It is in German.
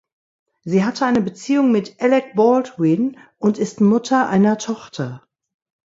Sie hatte eine Beziehung mit Alec Baldwin und ist Mutter einer Tochter.